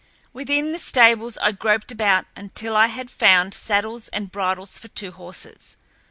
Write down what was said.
Within the stables I groped about until I had found saddles and bridles for two horses.